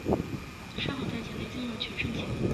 三好在畿内进入了全盛期。